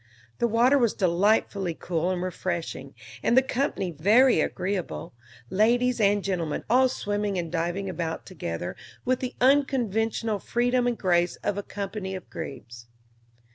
The water was delightfully cool and refreshing, and the company very agreeable, ladies and gentlemen all swimming and diving about together with the unconventional freedom and grace of a company of grebes.